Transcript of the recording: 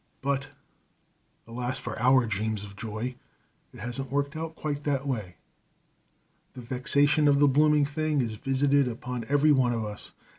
But, alas for our dreams of joy, it hasn't worked out quite that way. The vexation of the blooming thing is visited upon every one of us.